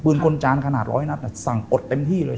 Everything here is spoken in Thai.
คนจานขนาดร้อยนัดสั่งอดเต็มที่เลย